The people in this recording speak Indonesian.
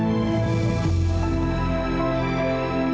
kamilah harus kamu tahu siapapun itu kamu